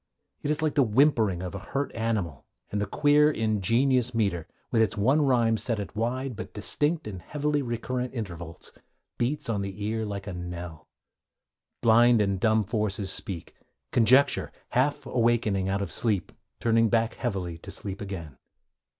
It is like the whimpering of a hurt animal, and the queer, ingenious metre, with its one rhyme set at wide but distinct and heavily recurrent intervals, beats on the ear like a knell. Blind and dumb forces speak, conjecture, half awakening out of sleep, turning back heavily to sleep again.